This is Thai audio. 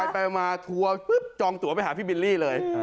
ไปมาทัวร์ปุ๊บจองตัวไปหาพี่บิลลี่เลย